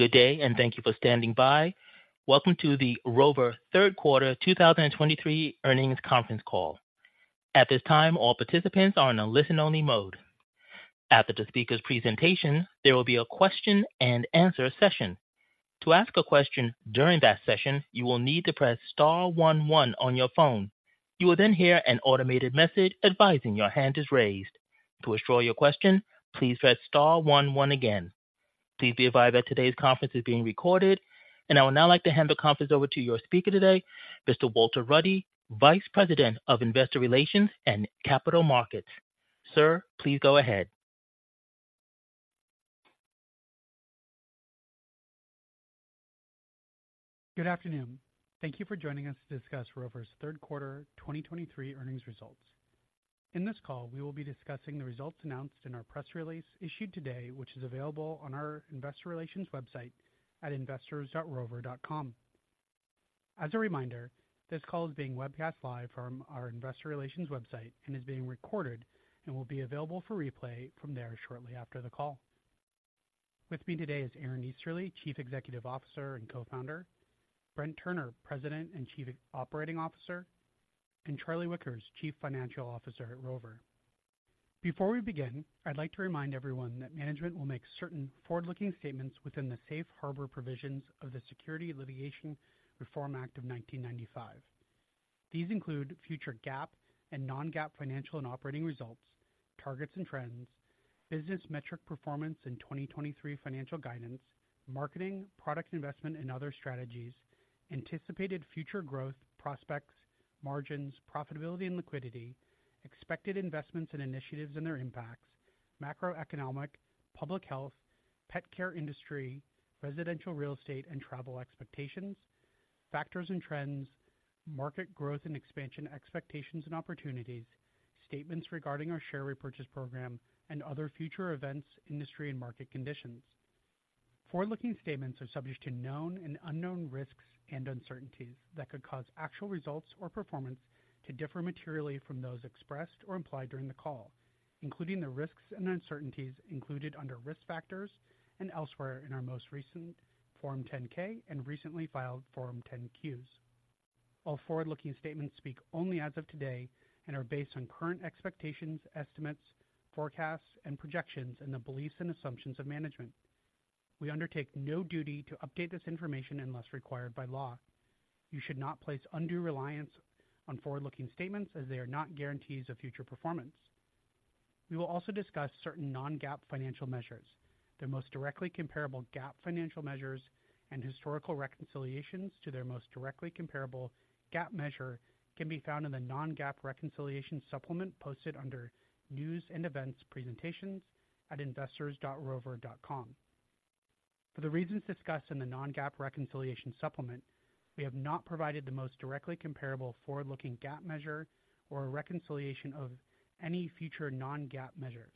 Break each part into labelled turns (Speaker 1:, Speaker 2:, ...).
Speaker 1: Good day, and thank you for standing by. Welcome to the Rover Q3 2023 Earnings Conference Call. At this time, all participants are in a listen-only mode. After the speaker's presentation, there will be a question and answer session. To ask a question during that session, you will need to press star one one on your phone. You will then hear an automated message advising your hand is raised. To withdraw your question, please press star one one again. Please be advised that today's conference is being recorded, and I would now like to hand the conference over to your speaker today, Mr. Walter Ruddy, Vice President of Investor Relations and Capital Markets. Sir, please go ahead.
Speaker 2: Good afternoon. Thank you for joining us to discuss Rover's Q3 2023 earnings results. In this call, we will be discussing the results announced in our press release issued today, which is available on our investor relations website at investors.rover.com. As a reminder, this call is being webcast live from our investor relations website and is being recorded and will be available for replay from there shortly after the call. With me today is Aaron Easterly, Chief Executive Officer and Co-founder, Brent Turner, President and Chief Operating Officer, and Charlie Wickers, Chief Financial Officer at Rover. Before we begin, I'd like to remind everyone that management will make certain forward-looking statements within the safe harbor provisions of the Securities Litigation Reform Act of 1995. These include future GAAP and non-GAAP financial and operating results, targets and trends, business metric performance in 2023 financial guidance, marketing, product investment, and other strategies, anticipated future growth, prospects, margins, profitability, and liquidity, expected investments and initiatives and their impacts, macroeconomic, public health, pet care industry, residential real estate, and travel expectations, factors and trends, market growth and expansion expectations and opportunities, statements regarding our share repurchase program and other future events, industry and market conditions. Forward-looking statements are subject to known and unknown risks and uncertainties that could cause actual results or performance to differ materially from those expressed or implied during the call, including the risks and uncertainties included under risk factors and elsewhere in our most recent Form 10-K and recently filed Form 10-Qs. All forward-looking statements speak only as of today and are based on current expectations, estimates, forecasts, and projections, and the beliefs and assumptions of management. We undertake no duty to update this information unless required by law. You should not place undue reliance on forward-looking statements as they are not guarantees of future performance. We will also discuss certain non-GAAP financial measures. Their most directly comparable GAAP financial measures and historical reconciliations to their most directly comparable GAAP measure can be found in the non-GAAP reconciliation supplement posted under News and Events, Presentations at investors.rover.com. For the reasons discussed in the non-GAAP reconciliation supplement, we have not provided the most directly comparable forward-looking GAAP measure or a reconciliation of any future non-GAAP measures.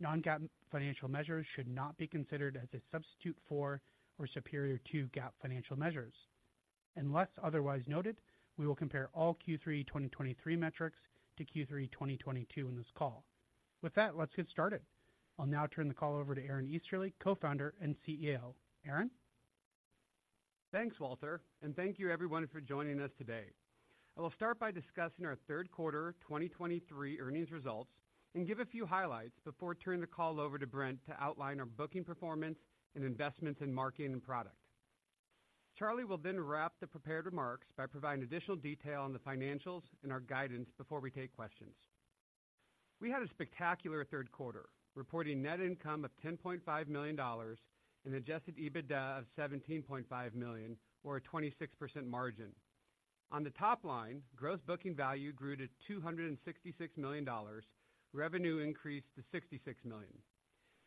Speaker 2: Non-GAAP financial measures should not be considered as a substitute for or superior to GAAP financial measures. Unless otherwise noted, we will compare all Q3 2023 metrics to Q3 2022 in this call. With that, let's get started. I'll now turn the call over to Aaron Easterly, Co-founder and CEO. Aaron?
Speaker 3: Thanks, Walter, and thank you everyone for joining us today. I will start by discussing our Q3 2023 earnings results and give a few highlights before turning the call over to Brent to outline our booking performance and investments in marketing and product. Charlie will then wrap the prepared remarks by providing additional detail on the financials and our guidance before we take questions. We had a spectacular Q3, reporting net income of $10.5 million and adjusted EBITDA of $17.5 million, or a 26% margin. On the top line, gross booking value grew to $266 million. Revenue increased to $66 million.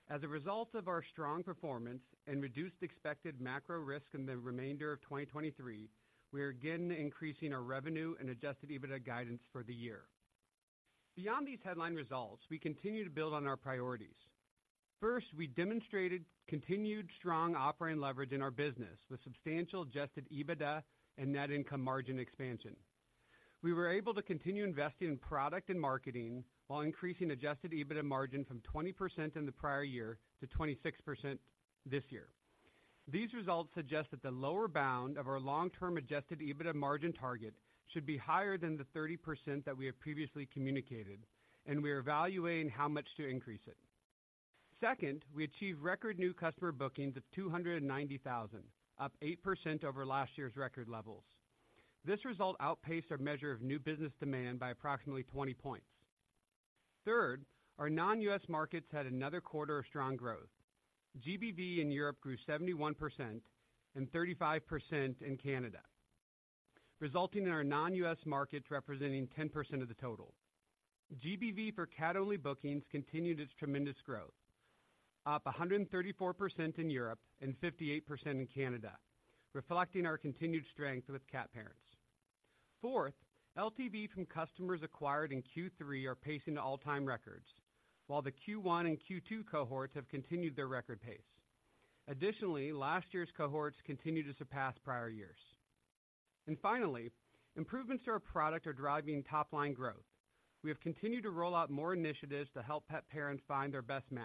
Speaker 3: As a result of our strong performance and reduced expected macro risk in the remainder of 2023, we are again increasing our revenue and adjusted EBITDA guidance for the year. Beyond these headline results, we continue to build on our priorities. First, we demonstrated continued strong operating leverage in our business with substantial Adjusted EBITDA and net income margin expansion. We were able to continue investing in product and marketing while increasing Adjusted EBITDA margin from 20% in the prior year to 26% this year. These results suggest that the lower bound of our long-term Adjusted EBITDA margin target should be higher than the 30% that we have previously communicated, and we are evaluating how much to increase it. Second, we achieved record new customer bookings of 290,000, up 8% over last year's record levels. This result outpaced our measure of new business demand by approximately 20 points. Third, our non-U.S. markets had another quarter of strong growth. GBV in Europe grew 71% and 35% in Canada, resulting in our non-U.S. markets representing 10% of the total. GBV for cat-only bookings continued its tremendous growth, up 134% in Europe and 58% in Canada, reflecting our continued strength with cat parents. Fourth, LTV from customers acquired in Q3 are pacing to all-time records, while the Q1 and Q2 cohorts have continued their record pace. Additionally, last year's cohorts continue to surpass prior years... Finally, improvements to our product are driving top-line growth. We have continued to roll out more initiatives to help pet parents find their best match.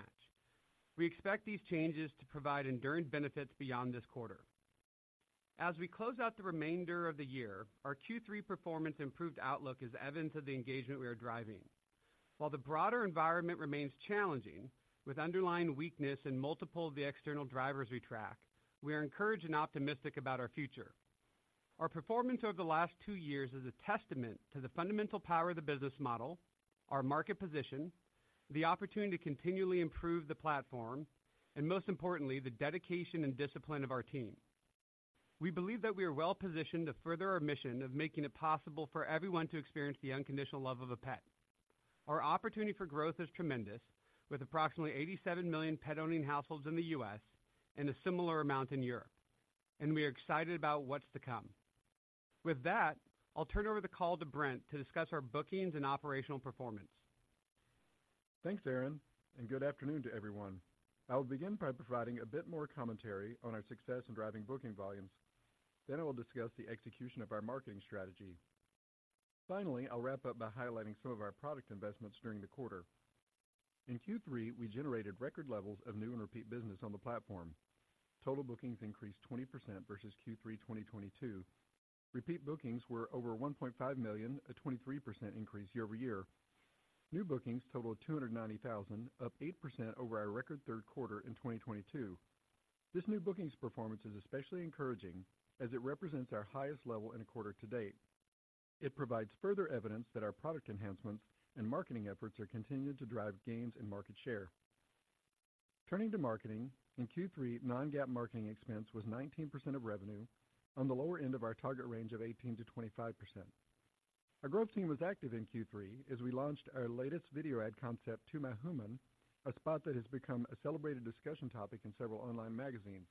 Speaker 3: We expect these changes to provide enduring benefits beyond this quarter. As we close out the remainder of the year, our Q3 performance improved outlook is evidence of the engagement we are driving. While the broader environment remains challenging, with underlying weakness in multiple of the external drivers we track, we are encouraged and optimistic about our future. Our performance over the last two years is a testament to the fundamental power of the business model, our market position, the opportunity to continually improve the platform, and most importantly, the dedication and discipline of our team. We believe that we are well-positioned to further our mission of making it possible for everyone to experience the unconditional love of a pet. Our opportunity for growth is tremendous, with approximately 87 million pet-owning households in the U.S. and a similar amount in Europe, and we are excited about what's to come. With that, I'll turn over the call to Brent to discuss our bookings and operational performance.
Speaker 4: Thanks, Aaron, and good afternoon to everyone. I will begin by providing a bit more commentary on our success in driving booking volumes. Then I will discuss the execution of our marketing strategy. Finally, I'll wrap up by highlighting some of our product investments during the quarter. In Q3, we generated record levels of new and repeat business on the platform. Total bookings increased 20% versus Q3 2022. Repeat bookings were over 1.5 million, a 23% increase year-over-year. New bookings totaled 290,000, up 8% over our record Q3 in 2022. This new bookings performance is especially encouraging, as it represents our highest level in a quarter to date. It provides further evidence that our product enhancements and marketing efforts are continuing to drive gains and market share. Turning to marketing, in Q3, non-GAAP marketing expense was 19% of revenue on the lower end of our target range of 18%-25%. Our growth team was active in Q3 as we launched our latest video ad concept, To My Hooman, a spot that has become a celebrated discussion topic in several online magazines.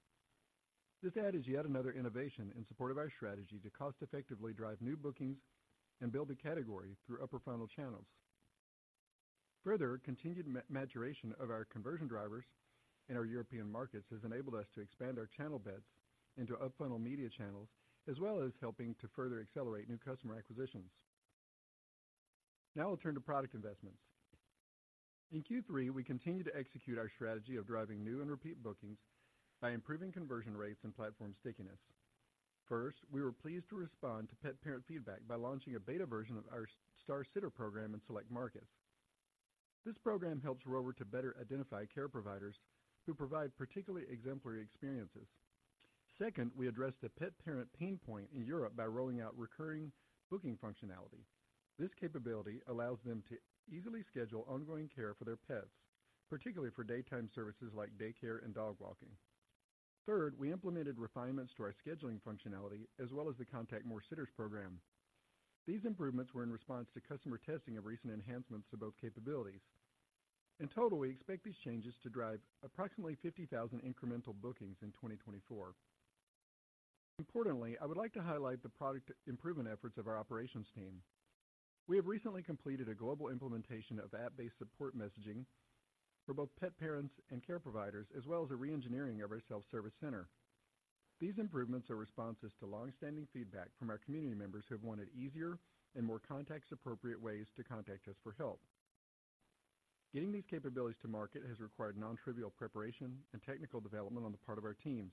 Speaker 4: This ad is yet another innovation in support of our strategy to cost effectively drive new bookings and build a category through upper funnel channels. Further, continued maturation of our conversion drivers in our European markets has enabled us to expand our channel bets into up-funnel media channels, as well as helping to further accelerate new customer acquisitions. Now I'll turn to product investments. In Q3, we continued to execute our strategy of driving new and repeat bookings by improving conversion rates and platform stickiness. First, we were pleased to respond to pet parent feedback by launching a beta version of our Star Sitter program in select markets. This program helps Rover to better identify care providers who provide particularly exemplary experiences. Second, we addressed a pet parent pain point in Europe by rolling out recurring booking functionality. This capability allows them to easily schedule ongoing care for their pets, particularly for daytime services like daycare and dog walking. Third, we implemented refinements to our scheduling functionality, as well as the Contact More Sitters program. These improvements were in response to customer testing of recent enhancements to both capabilities. In total, we expect these changes to drive approximately 50,000 incremental bookings in 2024. Importantly, I would like to highlight the product improvement efforts of our operations team. We have recently completed a global implementation of app-based support messaging for both pet parents and care providers, as well as a reengineering of our self-service center. These improvements are responses to long-standing feedback from our community members who have wanted easier and more context-appropriate ways to contact us for help. Getting these capabilities to market has required nontrivial preparation and technical development on the part of our teams.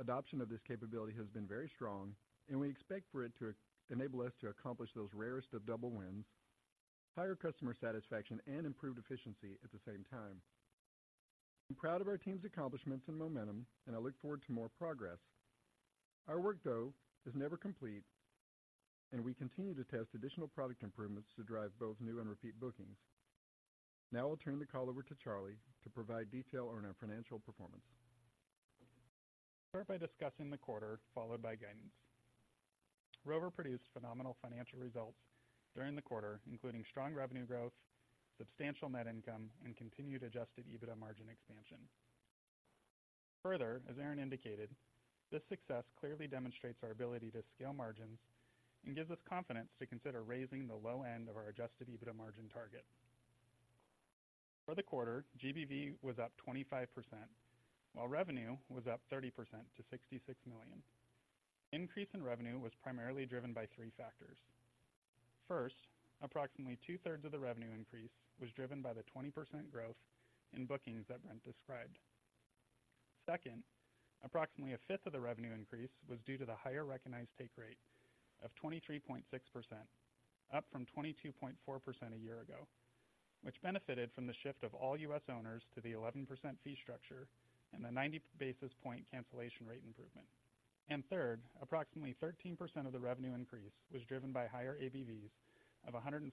Speaker 4: Adoption of this capability has been very strong, and we expect for it to enable us to accomplish those rarest of double wins, higher customer satisfaction, and improved efficiency at the same time. I'm proud of our team's accomplishments and momentum, and I look forward to more progress. Our work, though, is never complete, and we continue to test additional product improvements to drive both new and repeat bookings. Now I'll turn the call over to Charlie to provide detail on our financial performance.
Speaker 5: I'll start by discussing the quarter, followed by guidance. Rover produced phenomenal financial results during the quarter, including strong revenue growth, substantial net income, and continued Adjusted EBITDA margin expansion. Further, as Aaron indicated, this success clearly demonstrates our ability to scale margins and gives us confidence to consider raising the low end of our Adjusted EBITDA margin target. For the quarter, GBV was up 25%, while revenue was up 30% to $66 million. Increase in revenue was primarily driven by three factors: First, approximately two-thirds of the revenue increase was driven by the 20% growth in bookings that Brent described. Second, approximately a fifth of the revenue increase was due to the higher recognized Take Rate of 23.6%, up from 22.4% a year ago, which benefited from the shift of all U.S. owners to the 11% fee structure and a 90 basis point cancellation rate improvement. Third, approximately 13% of the revenue increase was driven by higher ABVs of $142,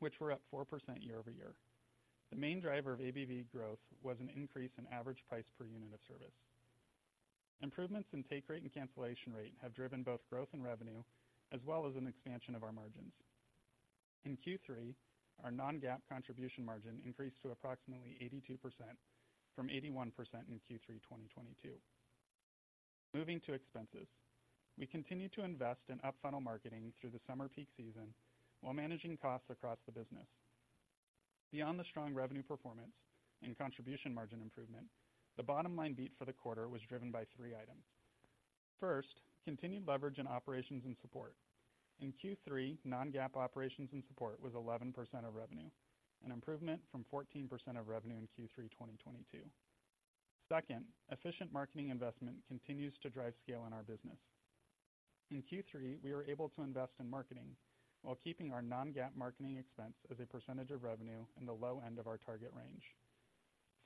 Speaker 5: which were up 4% year-over-year. The main driver of ABV growth was an increase in average price per unit of service. Improvements in Take Rate and cancellation rate have driven both growth and revenue, as well as an expansion of our margins. In Q3, our non-GAAP contribution margin increased to approximately 82% from 81% in Q3 2022. Moving to expenses. We continued to invest in up-funnel marketing through the summer peak season while managing costs across the business. Beyond the strong revenue performance and contribution margin improvement, the bottom line beat for the quarter was driven by three items. First, continued leverage in operations and support. In Q3, non-GAAP operations and support was 11% of revenue, an improvement from 14% of revenue in Q3 2022. Second, efficient marketing investment continues to drive scale in our business. In Q3, we were able to invest in marketing while keeping our non-GAAP marketing expense as a percentage of revenue in the low end of our target range.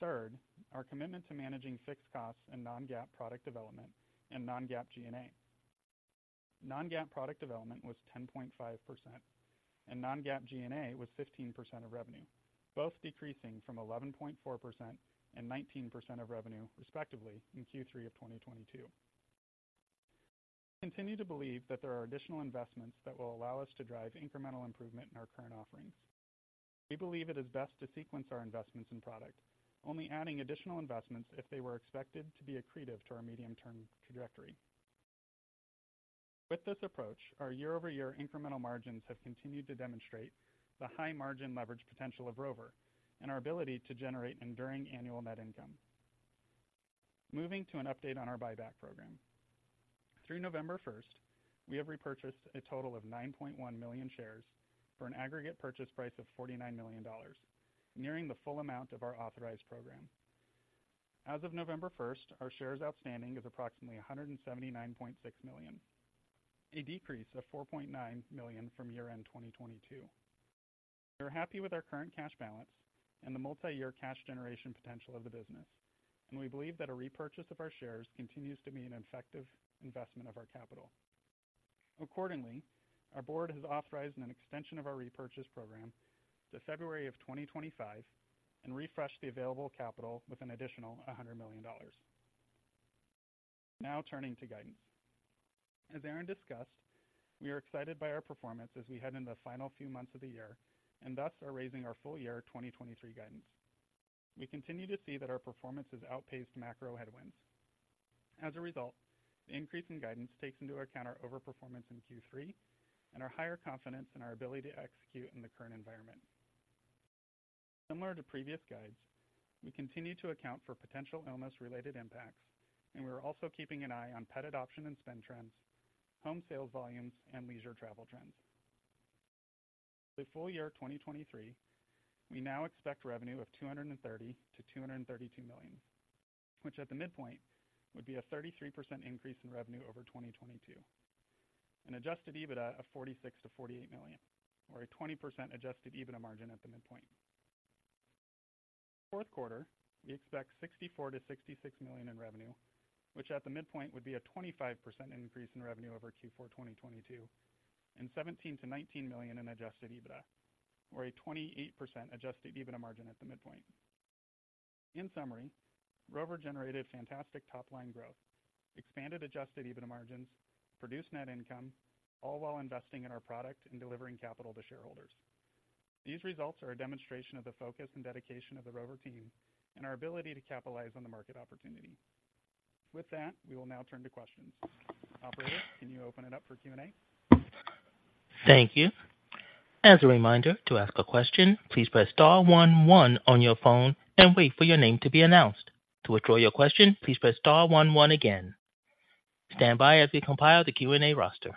Speaker 5: Third, our commitment to managing fixed costs and non-GAAP product development and non-GAAP G&A. Non-GAAP product development was 10.5%, and non-GAAP G&A was 15% of revenue, both decreasing from 11.4% and 19% of revenue, respectively, in Q3 of 2022. We continue to believe that there are additional investments that will allow us to drive incremental improvement in our current offerings. We believe it is best to sequence our investments in product, only adding additional investments if they were expected to be accretive to our medium-term trajectory. With this approach, our year-over-year incremental margins have continued to demonstrate the high margin leverage potential of Rover and our ability to generate enduring annual net income. Moving to an update on our buyback program. Through November 1, we have repurchased a total of 9.1 million shares for an aggregate purchase price of $49 million, nearing the full amount of our authorized program. As of November 1, our shares outstanding is approximately 179.6 million, a decrease of 4.9 million from year-end 2022. We are happy with our current cash balance and the multi-year cash generation potential of the business, and we believe that a repurchase of our shares continues to be an effective investment of our capital. Accordingly, our board has authorized an extension of our repurchase program to February of 2025 and refreshed the available capital with an additional $100 million. Now, turning to guidance. As Aaron discussed, we are excited by our performance as we head into the final few months of the year, and thus are raising our full year 2023 guidance. We continue to see that our performance has outpaced macro headwinds. As a result, the increase in guidance takes into account our overperformance in Q3 and our higher confidence in our ability to execute in the current environment. Similar to previous guides, we continue to account for potential illness-related impacts, and we're also keeping an eye on pet adoption and spend trends, home sales volumes, and leisure travel trends. For full year 2023, we now expect revenue of $230-$232 million, which at the midpoint, would be a 33% increase in revenue over 2022. An Adjusted EBITDA of $46-$48 million, or a 20% Adjusted EBITDA margin at the midpoint. Q4, we expect $64-66 million in revenue, which at the midpoint would be a 25% increase in revenue over Q4 2022, and $17-19 million in adjusted EBITDA, or a 28% adjusted EBITDA margin at the midpoint. In summary, Rover generated fantastic top-line growth, expanded adjusted EBITDA margins, produced net income, all while investing in our product and delivering capital to shareholders. These results are a demonstration of the focus and dedication of the Rover team and our ability to capitalize on the market opportunity. With that, we will now turn to questions. Operator, can you open it up for Q&A?
Speaker 1: Thank you. As a reminder, to ask a question, please press star one, one on your phone and wait for your name to be announced. To withdraw your question, please press star one, one again. Stand by as we compile the Q&A roster.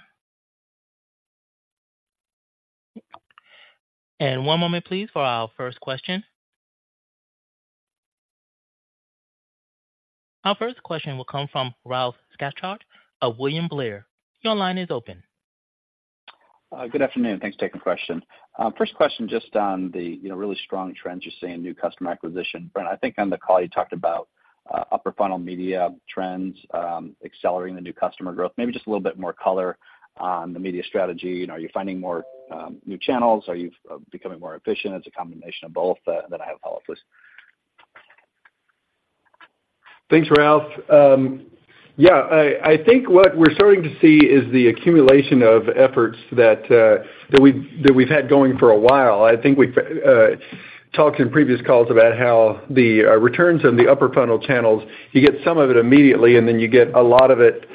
Speaker 1: One moment, please, for our first question. Our first question will come from Ralph Schackart of William Blair. Your line is open.
Speaker 6: Good afternoon. Thanks for taking the question. First question, just on the, you know, really strong trends you're seeing in new customer acquisition. Brent, I think on the call, you talked about upper funnel media trends accelerating the new customer growth. Maybe just a little bit more color on the media strategy. Are you finding more new channels? Are you becoming more efficient? It's a combination of both, then I have a follow-up, please.
Speaker 4: Thanks, Ralph. Yeah, I think what we're starting to see is the accumulation of efforts that we've had going for a while. I think we've talked in previous calls about how the returns on the upper funnel channels, you get some of it immediately, and then you get a lot of it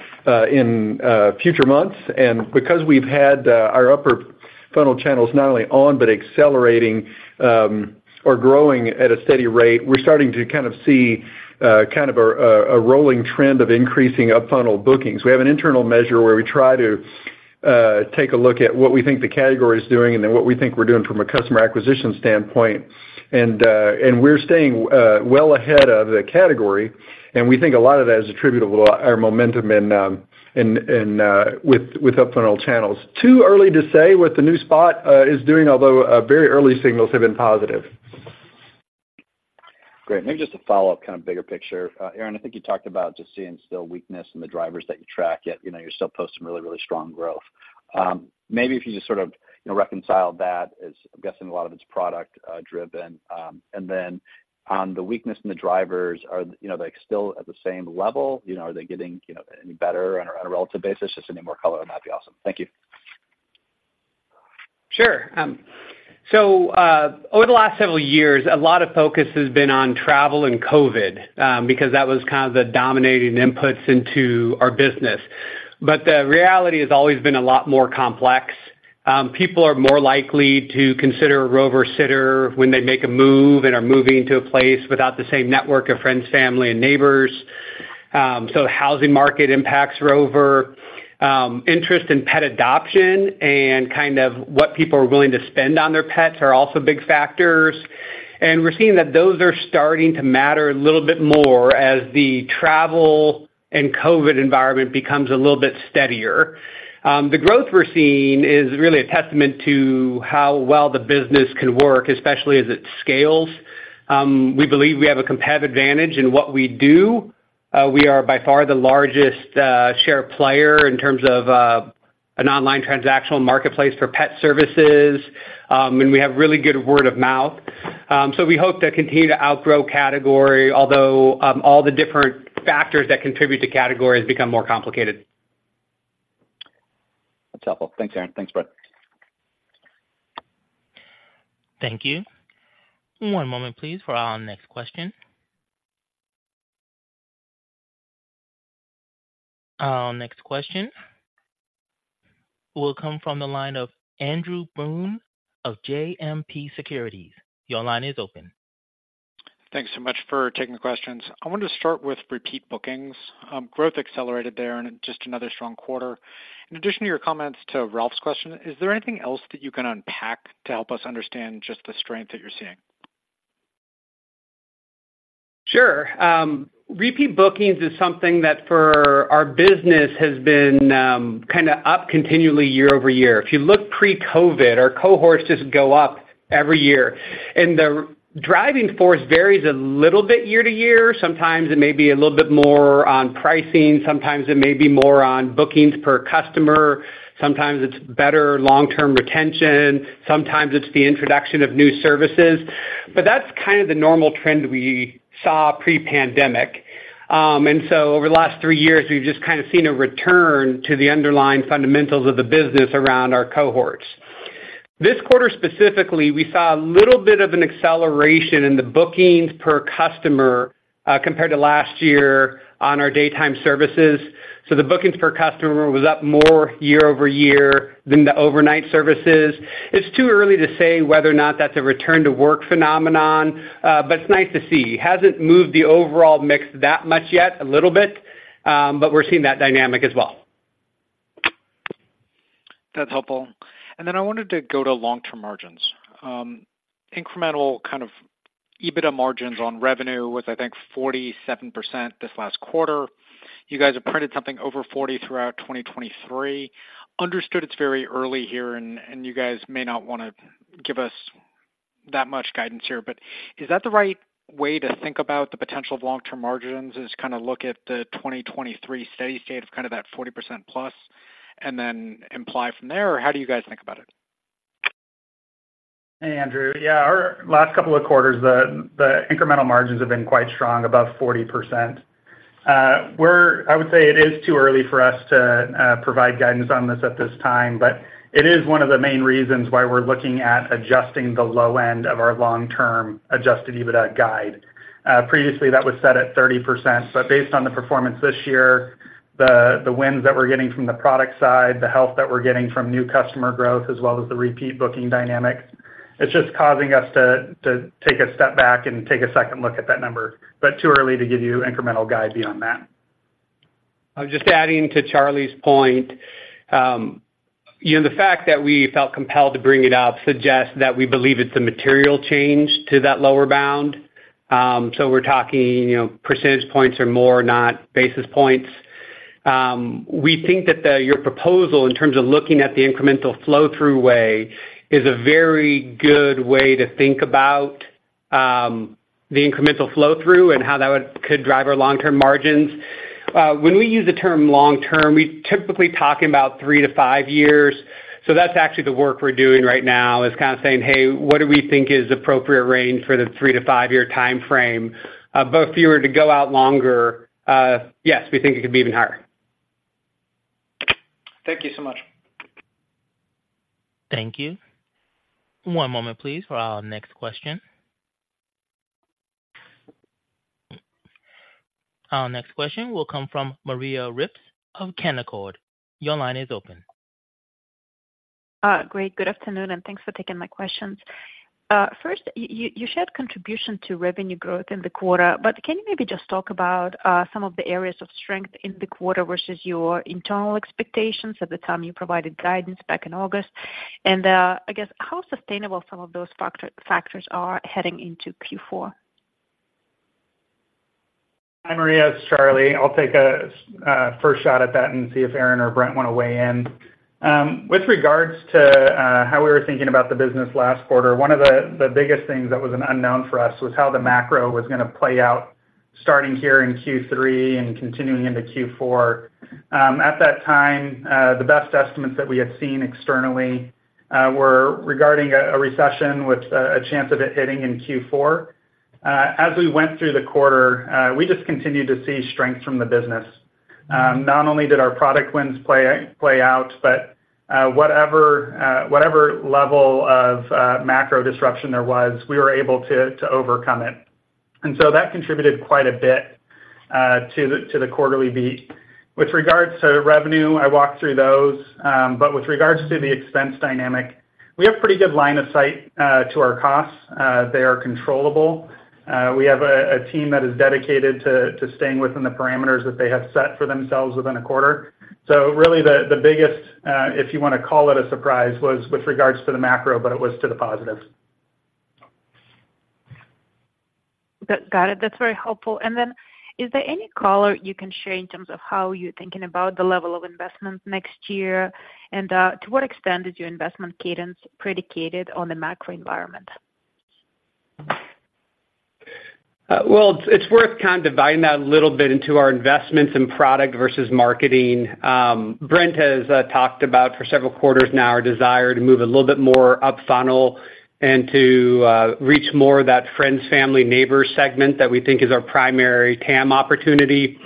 Speaker 4: in future months. And because we've had our upper funnel channels not only on, but accelerating or growing at a steady rate, we're starting to kind of see kind of a rolling trend of increasing up funnel bookings. We have an internal measure where we try to take a look at what we think the category is doing, and then what we think we're doing from a customer acquisition standpoint. We're staying well ahead of the category, and we think a lot of that is attributable to our momentum in upper funnel channels. Too early to say what the new spot is doing, although very early signals have been positive.
Speaker 6: Great. Maybe just a follow-up, kind of bigger picture. Aaron, I think you talked about just seeing still weakness in the drivers that you track, yet you're still posting really, really strong growth. Maybe if you just sort of, you know, reconcile that as I'm guessing a lot of it's product driven. And then on the weakness in the drivers, are they still at the same level? You know, are they getting, you know, any better on a relative basis? Just any more color on that would be awesome. Thank you.
Speaker 3: Sure. So, over the last several years, a lot of focus has been on travel and COVID, because that was kind of the dominating inputs into our business. But the reality has always been a lot more complex. People are more likely to consider a Rover sitter when they make a move and are moving to a place without the same network of friends, family, and neighbors. So the housing market impacts Rover. Interest in pet adoption and kind of what people are willing to spend on their pets are also big factors. And we're seeing that those are starting to matter a little bit more as the travel and COVID environment becomes a little bit steadier. The growth we're seeing is really a testament to how well the business can work, especially as it scales. We believe we have a competitive advantage in what we do. We are by far the largest share player in terms of an online transactional marketplace for pet services. And we have really good word of mouth. So we hope to continue to outgrow category, although all the different factors that contribute to category has become more complicated.
Speaker 6: That's helpful. Thanks, Aaron. Thanks, Brent.
Speaker 1: Thank you. One moment, please, for our next question. Our next question will come from the line of Andrew Boone of JMP Securities. Your line is open.
Speaker 7: Thanks so much for taking the questions. I wanted to start with repeat bookings. Growth accelerated there, and just another strong quarter. In addition to your comments to Ralph's question, is there anything else that you can unpack to help us understand just the strength that you're seeing?
Speaker 3: Sure. Repeat bookings is something that, for our business, has been kinda up continually year-over-year. If you look pre-COVID, our cohorts just go up every year, and the driving force varies a little bit year-to-year. Sometimes it may be a little bit more on pricing, sometimes it may be more on bookings per customer, sometimes it's better long-term retention, sometimes it's the introduction of new services. But that's kind of the normal trend we saw pre-pandemic. And so over the last three years, we've just kind of seen a return to the underlying fundamentals of the business around our cohorts. This quarter specifically, we saw a little bit of an acceleration in the bookings per customer compared to last year on our daytime services. So the bookings per customer was up more year-over-year than the overnight services. It's too early to say whether or not that's a return-to-work phenomenon, but it's nice to see. Hasn't moved the overall mix that much yet, a little bit, but we're seeing that dynamic as well.
Speaker 7: That's helpful. And then I wanted to go to long-term margins. Incremental kind of EBITDA margins on revenue was, I think, 47% this last quarter. You guys have printed something over 40 throughout 2023. Understood it's very early here, and you guys may not want to give us that much guidance here, but is that the right way to think about the potential of long-term margins, is kind of look at the 2023 steady state of kind of that 40% plus, and then imply from there? Or how do you guys think about it?
Speaker 5: Hey, Andrew. Yeah, our last couple of quarters, the incremental margins have been quite strong, above 40%. I would say it is too early for us to provide guidance on this at this time, but it is one of the main reasons why we're looking at adjusting the low end of our long-term Adjusted EBITDA guide. Previously, that was set at 30%, but based on the performance this year, the wins that we're getting from the product side, the help that we're getting from new customer growth, as well as the repeat booking dynamics, it's just causing us to take a step back and take a second look at that number, but too early to give you incremental guide beyond that.
Speaker 3: Just adding to Charlie's point, you know, the fact that we felt compelled to bring it up suggests that we believe it's a material change to that lower bound. So we're talking, you know, percentage points or more, not basis points. We think that the, your proposal, in terms of looking at the incremental flow-through way, is a very good way to think about, the incremental flow-through and how that could drive our long-term margins. When we use the term long term, we're typically talking about three to five years. So that's actually the work we're doing right now, is kind of saying, "Hey, what do we think is appropriate range for the three-to-five-year timeframe?" But if you were to go out longer, yes, we think it could be even higher.
Speaker 7: Thank you so much.
Speaker 1: Thank you. One moment, please, for our next question. Our next question will come from Maria Ripps of Canaccord Genuity. Your line is open.
Speaker 8: Great. Good afternoon, and thanks for taking my questions. First, you shared contribution to revenue growth in the quarter, but can you maybe just talk about some of the areas of strength in the quarter versus your internal expectations at the time you provided guidance back in August? And I guess how sustainable some of those factors are heading into Q4.
Speaker 5: Hi, Maria, it's Charlie. I'll take a first shot at that and see if Aaron or Brent want to weigh in. With regards to how we were thinking about the business last quarter, one of the biggest things that was an unknown for us was how the macro was gonna play out, starting here in Q3 and continuing into Q4. At that time, the best estimates that we had seen externally were regarding a recession with a chance of it hitting in Q4. As we went through the quarter, we just continued to see strength from the business. Not only did our product wins play out, but whatever level of macro disruption there was, we were able to overcome it. And so that contributed quite a bit to the quarterly beat. With regards to revenue, I walked through those, but with regards to the expense dynamic, we have pretty good line of sight to our costs. They are controllable. We have a team that is dedicated to staying within the parameters that they have set for themselves within a quarter. So really, the biggest, if you want to call it a surprise, was with regards to the macro, but it was to the positive.
Speaker 8: Got it. That's very helpful. And then is there any color you can share in terms of how you're thinking about the level of investment next year? And, to what extent is your investment cadence predicated on the macro environment?
Speaker 3: Well, it's worth kind of dividing that a little bit into our investments in product versus marketing. Brent has talked about for several quarters now, our desire to move a little bit more up funnel and to reach more of that friends, family, neighbors segment that we think is our primary TAM opportunity.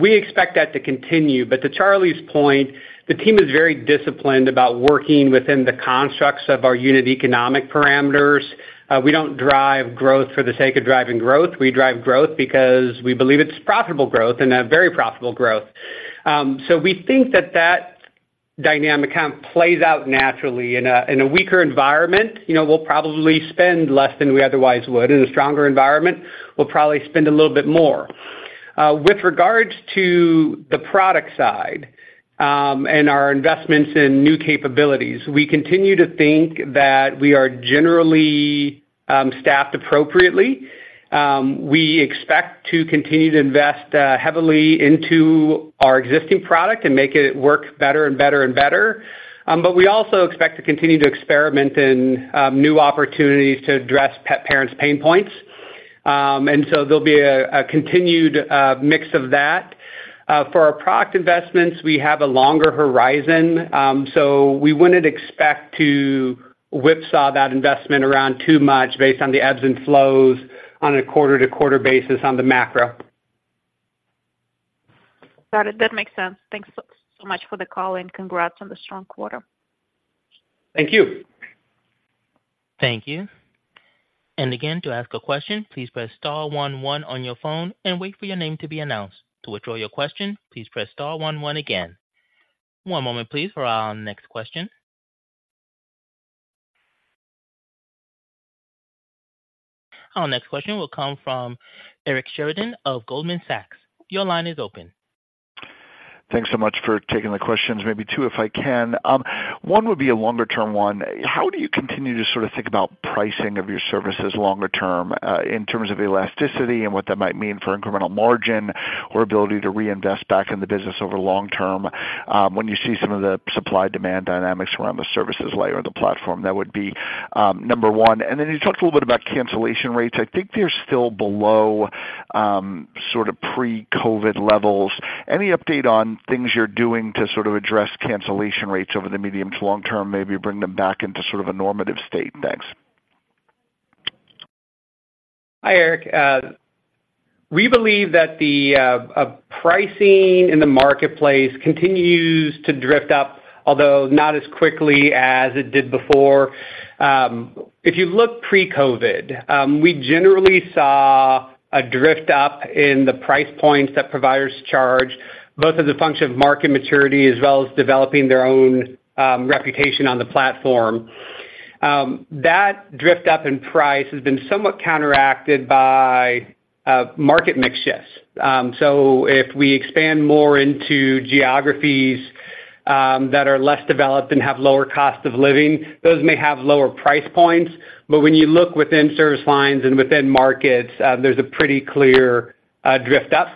Speaker 3: We expect that to continue, but to Charlie's point, the team is very disciplined about working within the constructs of our unit economic parameters. We don't drive growth for the sake of driving growth. We drive growth because we believe it's profitable growth and a very profitable growth. So we think that that dynamic kind of plays out naturally. In a weaker environment, you know, we'll probably spend less than we otherwise would. In a stronger environment, we'll probably spend a little bit more. With regards to the product side, and our investments in new capabilities, we continue to think that we are generally staffed appropriately. We expect to continue to invest heavily into our existing product and make it work better and better and better. But we also expect to continue to experiment in new opportunities to address pet parents' pain points. And so there'll be a continued mix of that. For our product investments, we have a longer horizon, so we wouldn't expect to whipsaw that investment around too much based on the ebbs and flows on a quarter-to-quarter basis on the macro.
Speaker 8: Got it. That makes sense. Thanks so much for the call and congrats on the strong quarter.
Speaker 3: Thank you.
Speaker 1: Thank you. And again, to ask a question, please press star one one on your phone and wait for your name to be announced. To withdraw your question, please press star one one again. One moment, please, for our next question. Our next question will come from Eric Sheridan of Goldman Sachs. Your line is open.
Speaker 9: Thanks so much for taking the questions. Maybe two, if I can. One would be a longer term one. How do you continue to sort of think about pricing of your services longer term, in terms of elasticity and what that might mean for incremental margin or ability to reinvest back in the business over long term, when you see some of the supply demand dynamics around the services layer of the platform? That would be, number one. And then you talked a little bit about cancellation rates. I think they're still below, sort of pre-COVID levels. Any update on things you're doing to sort of address cancellation rates over the medium to long term, maybe bring them back into sort of a normative state? Thanks.
Speaker 3: Hi, Eric. We believe that the pricing in the marketplace continues to drift up, although not as quickly as it did before. If you look pre-COVID, we generally saw a drift up in the price points that providers charge, both as a function of market maturity as well as developing their own reputation on the platform. That drift up in price has been somewhat counteracted by market mix shifts. So if we expand more into geographies that are less developed and have lower cost of living, those may have lower price points, but when you look within service lines and within markets, there's a pretty clear drift up.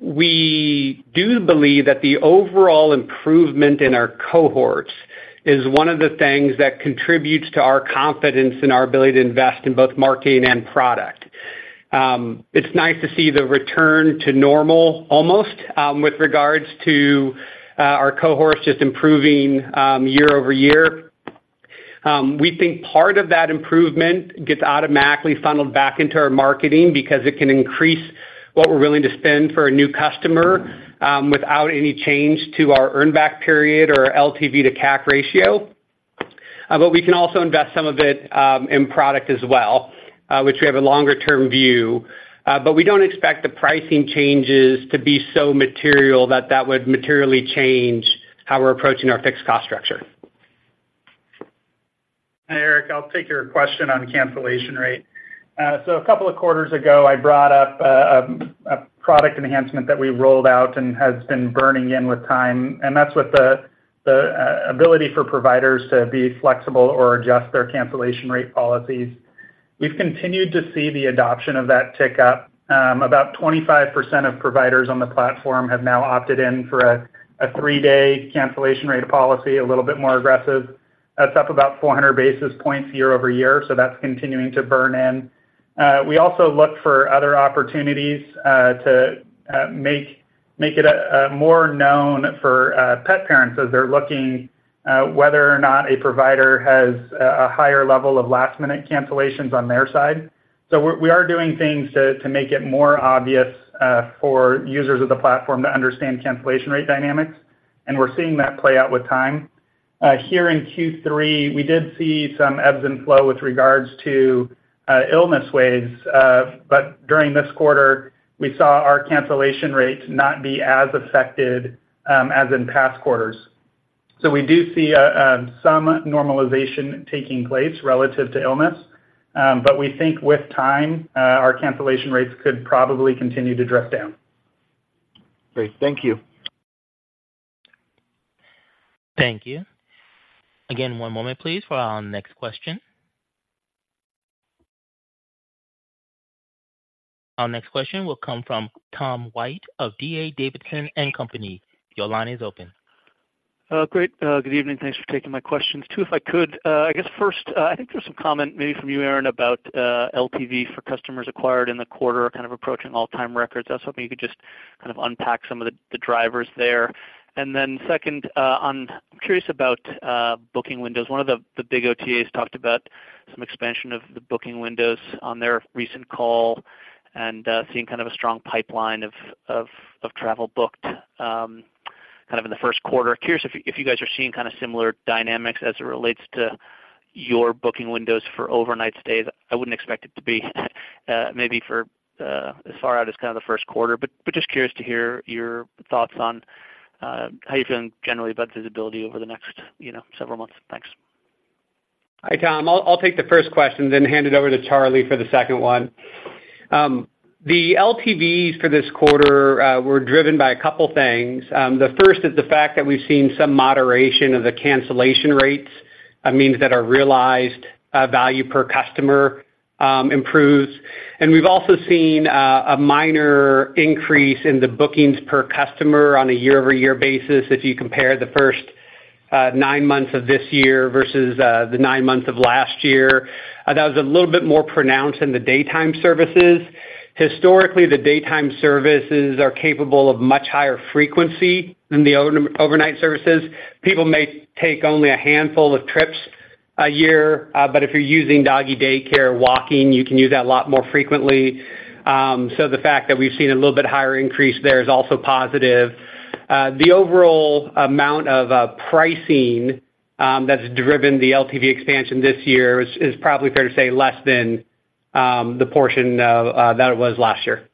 Speaker 3: We do believe that the overall improvement in our cohorts is one of the things that contributes to our confidence in our ability to invest in both marketing and product. It's nice to see the return to normal, almost, with regards to, our cohorts just improving, year-over-year. We think part of that improvement gets automatically funneled back into our marketing because it can increase what we're willing to spend for a new customer, without any change to our earn back period or LTV to CAC ratio. But we can also invest some of it, in product as well, which we have a longer-term view. But we don't expect the pricing changes to be so material that that would materially change how we're approaching our fixed cost structure.
Speaker 5: Hi, Eric. I'll take your question on cancellation rate. So a couple of quarters ago, I brought up a product enhancement that we rolled out and has been burning in with time, and that's with the ability for providers to be flexible or adjust their cancellation rate policies. We've continued to see the adoption of that tick up. About 25% of providers on the platform have now opted in for a three-day cancellation rate policy, a little bit more aggressive. That's up about 400 basis points year-over-year, so that's continuing to burn in. We also look for other opportunities to make it more known for pet parents as they're looking whether or not a provider has a higher level of last-minute cancellations on their side. So we are doing things to make it more obvious for users of the platform to understand cancellation rate dynamics, and we're seeing that play out with time.
Speaker 3: Here in Q3, we did see some ebbs and flow with regards to illness waves. But during this quarter, we saw our cancellation rates not be as affected as in past quarters. So we do see some normalization taking place relative to illness, but we think with time our cancellation rates could probably continue to drift down.
Speaker 9: Great. Thank you.
Speaker 1: Thank you. Again, one moment please, for our next question. Our next question will come from Tom White of D.A. Davidson & Co. Your line is open.
Speaker 10: Great. Good evening. Thanks for taking my questions. Two, if I could. I guess first, I think there's some comment maybe from you, Aaron, about LTV for customers acquired in the quarter, kind of approaching all-time records. I was hoping you could just kind of unpack some of the drivers there. And then second, on I'm curious about booking windows. One of the big OTAs talked about some expansion of the booking windows on their recent call and seeing kind of a strong pipeline of travel booked kind of in the Q1. Curious if you guys are seeing kind of similar dynamics as it relates to your booking windows for overnight stays. I wouldn't expect it to be, maybe for, as far out as kind of the Q1, but just curious to hear your thoughts on, how you're feeling generally about visibility over the next, you know, several months. Thanks.
Speaker 3: Hi, Tom. I'll take the first question then hand it over to Charlie for the second one. The LTVs for this quarter were driven by a couple things. The first is the fact that we've seen some moderation of the cancellation rates. That means that our realized value per customer improves. And we've also seen a minor increase in the bookings per customer on a year-over-year basis. If you compare the first nine months of this year versus the nine months of last year, that was a little bit more pronounced in the daytime services. Historically, the daytime services are capable of much higher frequency than the overnight services. People may take only a handful of trips a year, but if you're using doggy daycare walking, you can use that a lot more frequently. So the fact that we've seen a little bit higher increase there is also positive. The overall amount of pricing that's driven the LTV expansion this year is probably fair to say less than the portion of that it was last year.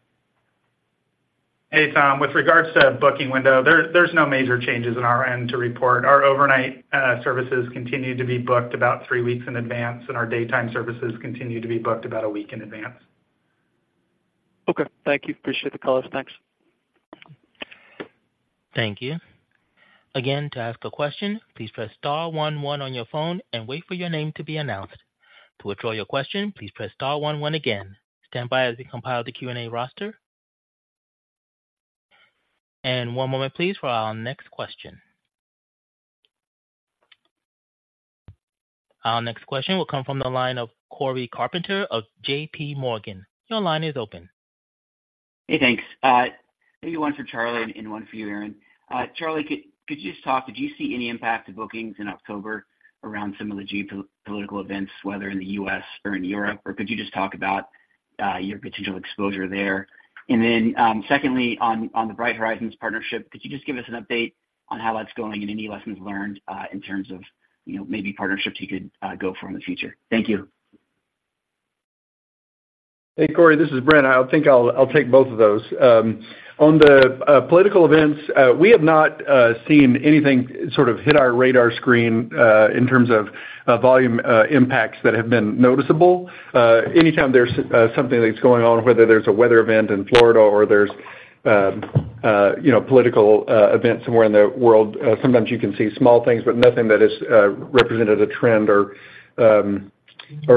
Speaker 5: Hey, Tom. With regards to booking window, there's no major changes on our end to report. Our overnight services continue to be booked about three weeks in advance, and our daytime services continue to be booked about a week in advance.
Speaker 10: Okay. Thank you. Appreciate the call. Thanks.
Speaker 1: Thank you. Again, to ask a question, please press star one, one on your phone and wait for your name to be announced. To withdraw your question, please press star one, one again. Stand by as we compile the Q&A roster. One moment, please, for our next question. Our next question will come from the line of Cory Carpenter of J.P. Morgan. Your line is open.
Speaker 11: Hey, thanks. Maybe one for Charlie and one for you, Aaron. Charlie, could you just talk, did you see any impact to bookings in October around some of the geopolitical events, whether in the U.S or in Europe, or could you just talk about your potential exposure there? And then, secondly, on the Bright Horizons partnership, could you just give us an update on how that's going and any lessons learned, in terms of, you know, maybe partnerships you could go for in the future? Thank you.
Speaker 4: Hey, Cory, this is Brent. I think I'll take both of those. On the political events, we have not seen anything sort of hit our radar screen in terms of volume impacts that have been noticeable. Anytime there's something that's going on, whether there's a weather event in Florida or there's, you know, political events somewhere in the world, sometimes you can see small things, but nothing that is represented a trend or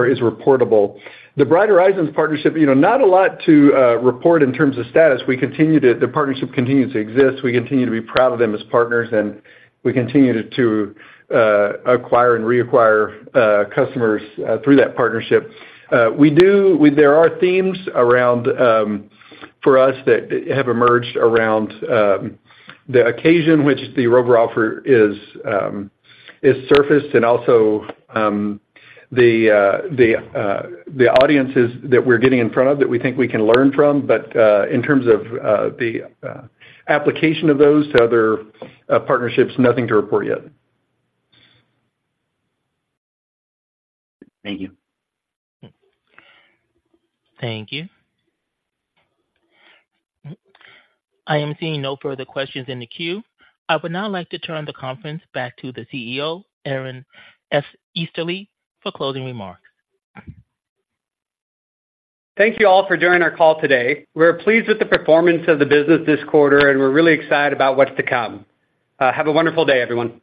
Speaker 4: is reportable. The Bright Horizons partnership, you know, not a lot to report in terms of status. We continue to the partnership continues to exist. We continue to be proud of them as partners, and we continue to acquire and reacquire customers through that partnership. There are themes around, for us that have emerged around, the occasion which the Rover offer is surfaced and also, the audiences that we're getting in front of that we think we can learn from. But, in terms of, the application of those to other partnerships, nothing to report yet.
Speaker 11: Thank you.
Speaker 1: Thank you. I am seeing no further questions in the queue. I would now like to turn the conference back to the CEO, Aaron Easterly, for closing remarks.
Speaker 3: Thank you all for joining our call today. We're pleased with the performance of the business this quarter, and we're really excited about what's to come. Have a wonderful day, everyone.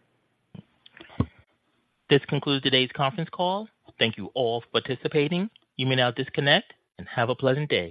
Speaker 1: This concludes today's conference call. Thank you all for participating. You may now disconnect and have a pleasant day.